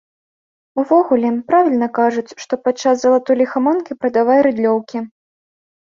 Увогуле, правільна кажуць, што падчас залатой ліхаманкі прадавай рыдлёўкі.